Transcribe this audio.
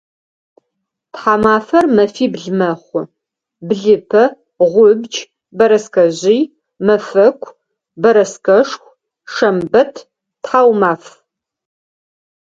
Тхьамафэр мэфибл мэхъу: блыпэ, гъубдж, бэрэскэжъый, мэфэку, бэрэскэшху, шэмбэт, тхьаумаф.